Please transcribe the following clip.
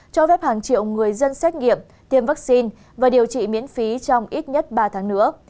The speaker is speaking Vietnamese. cho phép hàng triệu người dân xét nghiệm tiêm vaccine và điều trị miễn phí trong ít nhất ba tháng nữa